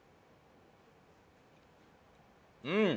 うん！